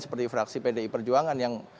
seperti fraksi pdi perjuangan